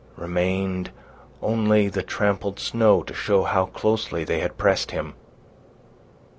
Remained only the trampled snow to show how closely they had pressed him.